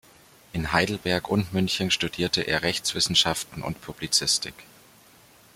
In Heidelberg und München studierte er Rechtswissenschaften und Publizistik.